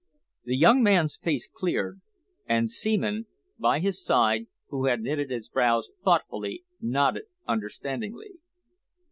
The young man's face cleared, and Seaman, by his side, who had knitted his brows thoughtfully, nodded understandingly.